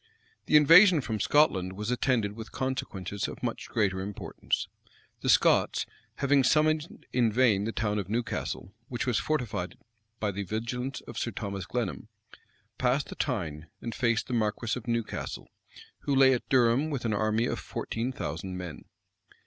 The invasion from Scotland was attended with consequences of much greater importance. The Scots, having summoned in vain the town of Newcastle, which was fortified by the vigilance of Sir Thomas Glenham, passed the Tyne, and faced the marquis of Newcastle, who lay at Durham with an army of fourteen thousand men.